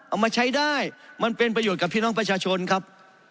เอามาใช้ได้มันเป็นประโยชน์กับพี่น้องประชาชนครับ